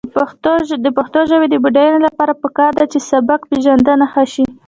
د پښتو ژبې د بډاینې لپاره پکار ده چې سبکپېژندنه ښه شي.